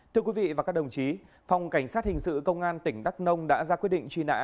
thưa quý vị và các đồng chí phòng cảnh sát hình sự công an tỉnh đắk nông đã ra quyết định truy nã